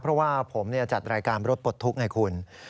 เพราะว่าผมจัดรายการรถปลดทุกข์ไงคุณ